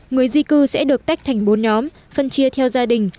người di cư sẽ được tách thành bốn nhóm phân chia theo gia đình